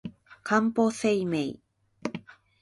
かんぽ生命